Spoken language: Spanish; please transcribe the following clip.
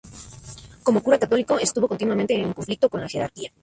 Como cura católico, estuvo continuamente en conflicto con la jerarquía.